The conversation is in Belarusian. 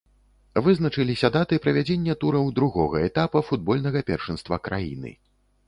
Вызначыліся даты правядзення тураў другога этапа футбольнага першынства краіны.